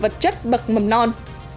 vật chất bậc mầm non